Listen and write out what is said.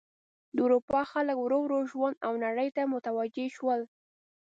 د اروپا خلک ورو ورو ژوند او نړۍ ته متوجه شول.